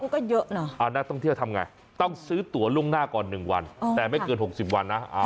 ก็เยอะเนอะนักท่องเที่ยวทำไงต้องซื้อตัวล่วงหน้าก่อน๑วันแต่ไม่เกิน๖๐วันนะ